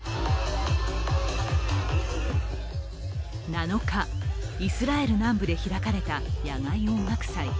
７日、イスラエル南部で開かれた野外音楽祭。